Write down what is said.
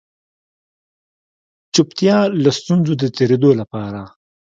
چوپتيا له ستونزو د تېرېدلو لپاره